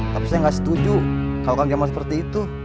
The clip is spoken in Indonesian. tapi saya nggak setuju kalau kang jaman seperti itu